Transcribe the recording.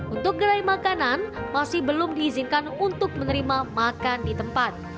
untuk gerai makanan masih belum diizinkan untuk menerima makan di tempat